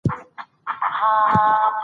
ژبه د یو ملت د هوښیارۍ نښه ده.